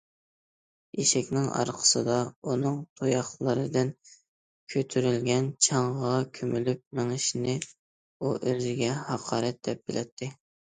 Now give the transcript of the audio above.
ئېشەكنىڭ ئارقىسىدا، ئۇنىڭ تۇياقلىرىدىن كۆتۈرۈلگەن چاڭغا كۆمۈلۈپ مېڭىشنى ئۇ ئۆزىگە ھاقارەت دەپ بىلەتتى.